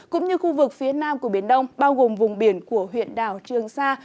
cũng như khu vực phía nam của biển đông bao gồm vùng biển của huyện đảo trường sa